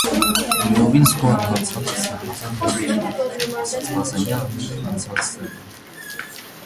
- Լիովին զգում եմ հանցանքս և հազար ներողություն եմ խնդրում,- ասաց Բազենյանը նույն խանձված ձայնով: